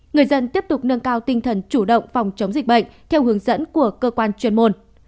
người dân tiếp tục nâng cao tinh thần chủ động phòng chống dịch bệnh theo hướng dẫn của cơ quan chuyên môn